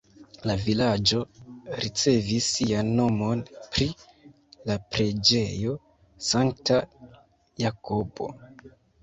La vilaĝo ricevis sian nomon pri la preĝejo Sankta Jakobo.